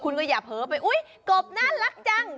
คุณก็อย่าเผลอไปอุ๊ยกบน่ารักจัง